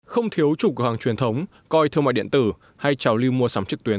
không thiếu chủ cửa hàng truyền thống coi thương mại điện tử hay trào lưu mua sắm trực tuyến